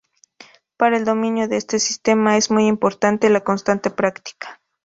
Para el dominio de este sistema es muy importante la constante práctica.